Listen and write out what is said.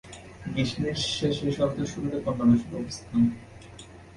গ্রীষ্মের শেষে শরতের শুরুতেই কন্যা রাশির অবস্থান।